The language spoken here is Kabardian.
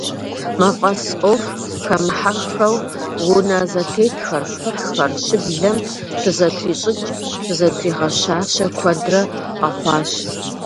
Мафӏэс ӏуэху хэмыхьэххэу, унэ зэтетхэр, кхъухьхэр, щыблэм щызэтрищӏыкӏ, щызэтригъэщащэ куэдрэ къэхъуащ.